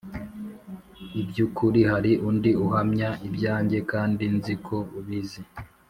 iby ukuri Hari undi uhamya ibyanjye kandi nzi ko ubizi